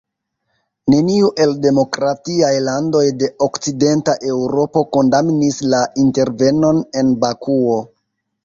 Neniu el demokratiaj landoj de Okcidenta Eŭropo kondamnis la intervenon en Bakuo.